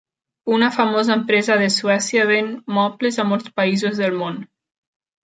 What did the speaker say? Una famosa empresa de Suècia ven mobles a molts països del món.